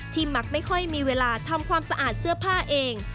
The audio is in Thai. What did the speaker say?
มักไม่ค่อยมีเวลาทำความสะอาดเสื้อผ้าเอง